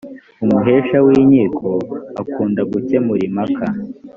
umuhesha winkiko akunda gukemura impaka.